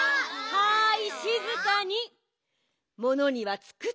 はい！